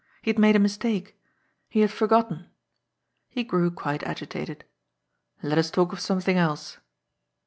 He had made a mistake. He had forgotten." He grew quite agitated. "Let us talk of something else."